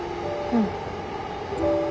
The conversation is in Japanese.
うん。